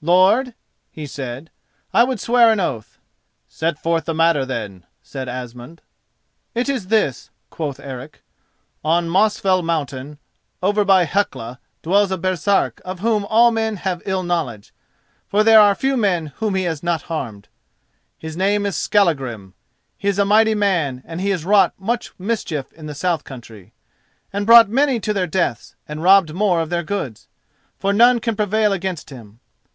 "Lord," he said, "I would swear an oath." "Set forth the matter, then," said Asmund. "It is this," quoth Eric. "On Mosfell mountain, over by Hecla, dwells a Baresark of whom all men have ill knowledge, for there are few whom he has not harmed. His name is Skallagrim; he is a mighty man and he has wrought much mischief in the south country, and brought many to their deaths and robbed more of their goods: for none can prevail against him.